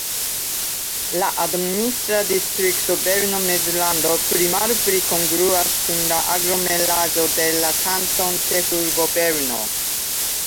La administra distrikto Berno-Mezlando pli-malpli kongruas kun la aglomeraĵo de la kantonĉefurbo Berno.